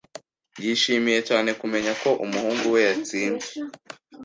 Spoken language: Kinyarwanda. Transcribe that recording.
Yishimiye cyane kumenya ko umuhungu we yatsinze.